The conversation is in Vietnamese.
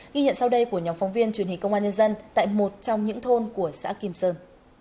ghi nhận sau đây của nhóm phóng viên truyền hình công an nhân dân tại một trong những thôn của xã kim sơn